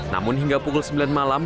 namun hingga pukul sembilan malam